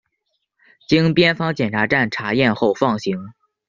经边防检查站查验后放行。